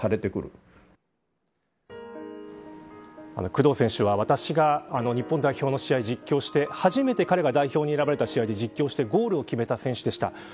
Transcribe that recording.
工藤選手は私が日本代表の試合を実況して初めて彼が代表に選ばれた試合で実況してゴールを決めた選手でした。